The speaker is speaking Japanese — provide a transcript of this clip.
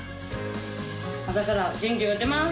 朝から元気が出ます！